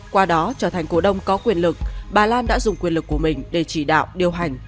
qua đó trở thành cổ đông có quyền lực bà lan đã dùng quyền lực của mình để chỉ đạo điều hành